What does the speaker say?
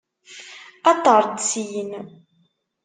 Aṭer-d syin!